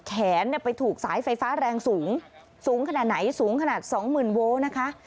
แขนไปถูกสายไฟฟ้าแรงสูงสูงขนาดไหนสูงขนาดสองหมื่นโวลนะคะ